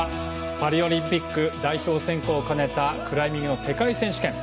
パリオリンピック代表選考を兼ねたクライミングの世界選手権。